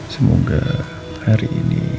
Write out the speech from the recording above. semoga hari ini